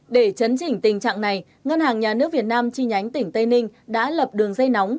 để chấn chỉnh tình trạng này ngân hàng nhà nước việt nam chi nhánh tỉnh tây ninh đã lập đường dây nóng